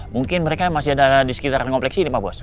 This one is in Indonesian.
mungkin mereka masih ada di sekitaran kompleks ini pak bos